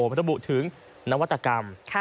พัฒน์บุถึงนวัตกรรม